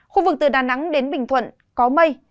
khu vực từ đà nẵng đến bình thuận có mây